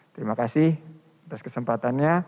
terima kasih atas kesempatannya